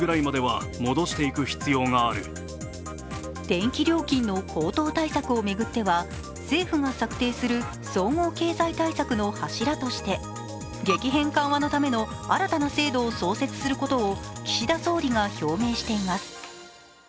電気料金の高騰対策を巡っては政府が策定する総合経済対策の柱として激変緩和のための新たな制度を創設することを岸田総理が表明しています。